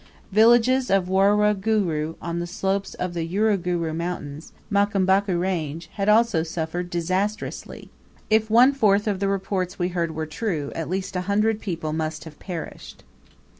Villages of Waruguru, on the slopes of the Uruguru Mountains Mkambaku range had also suffered disastrously. If one fourth of the reports we heard were true, at least a hundred people must have perished.